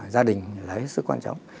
gia đình là hết sức quan trọng